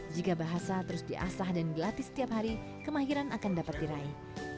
jika bahasa terus diasah dan dilatih setiap hari kemahiran akan dapat diraih